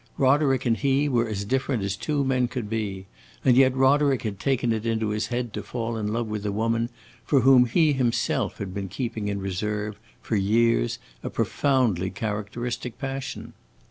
Roderick and he were as different as two men could be, and yet Roderick had taken it into his head to fall in love with a woman for whom he himself had been keeping in reserve, for years, a profoundly characteristic passion.